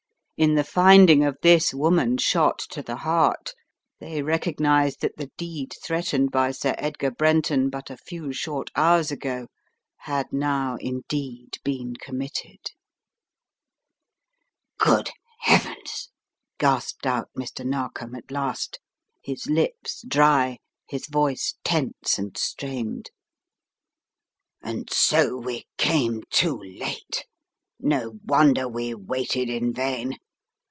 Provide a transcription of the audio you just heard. In the finding of this woman shot to the heart they recognized that the deed threatened by Sir Edgar Brenton but a few short hours ago had now indeed been committed. "Good Heavens!" gasped out Mr. Narkom at last, his lips dry, his voice tense and strained, "and 118 The Riddle of the Purple Emperor so we came too late. No wonder we waited in vain.